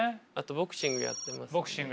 ボクシングやってるね。